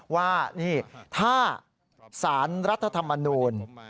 ว่านี่ถ้าสารรัฐธรรมนูล